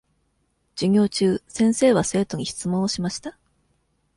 授業中、先生は生徒に質問をしました。